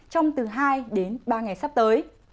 trong từ hai đến ba ngày sắp tới